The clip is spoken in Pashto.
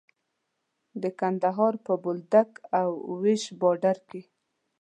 د کندهار په بولدک او ويش باډر کې.